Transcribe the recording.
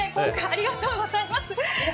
ありがとうございます。